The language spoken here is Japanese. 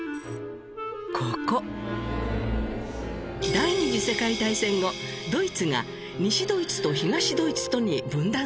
第二次世界大戦後ドイツが西ドイツと東ドイツとに分断されました。